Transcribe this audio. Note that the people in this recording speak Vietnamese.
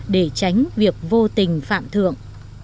để tránh việc vô tình phạm thượng